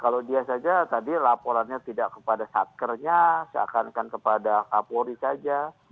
kalau dia saja tadi laporannya tidak kepada satkernya seakan akan kepada kapolri saja